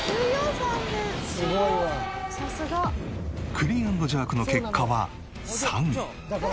クリーン＆ジャークの結果は３位。